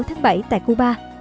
hai mươi sáu tháng bảy tại cuba